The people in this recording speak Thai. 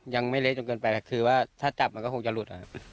ยังไม่เละจนเกินไปแต่คือว่าถ้าจับมันก็คงจะหลุดนะครับ